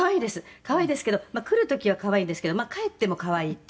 「可愛いですけど来る時は可愛いんですけど帰っても可愛いっていう感じで。